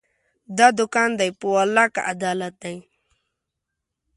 دا دوکان دی، په والله که عدالت دی